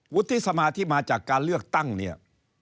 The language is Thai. วุฒิสมาธิมาจากการเลือกตั้งเนี่ย